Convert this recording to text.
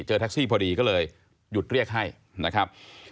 แท็กซี่พอดีก็เลยหยุดเรียกให้นะครับ